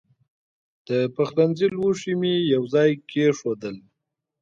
د پخلنځي لوښي مې یو ځای کېښودل.